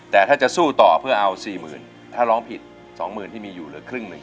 แต่ถ้าจะสู้ต่อเพื่อเอาสี่หมื่นถ้าร้องผิดสองหมื่นที่มีอยู่เหลือครึ่งหนึ่ง